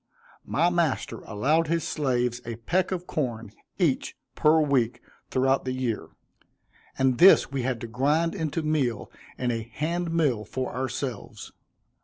My master allowed his slaves a peck of corn, each, per week, throughout the year; and this we had to grind into meal in a hand mill for ourselves.